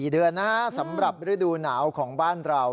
๔เดือนนะฮะสำหรับฤดูหนาวของบ้านเรา